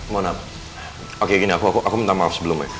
mona oke gini aku minta maaf sebelumnya